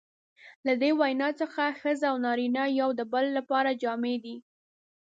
له دې وینا څخه ښځه او نارینه یو د بل لپاره جامې دي.